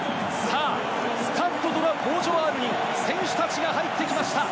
スタッド・ド・ラ・ボージョワールに選手たちが入ってきました。